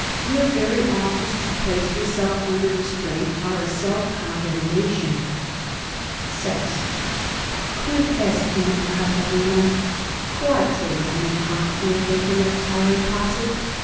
Your very offers to place yourself under restraint are a self condemnation._ =6.= Quid est enim, Catilina, quod te iam in hac urbe delectare possit?